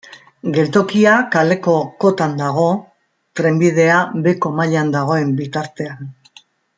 Geltokia kaleko kotan dago, trenbidea beheko mailan dagoen bitartean.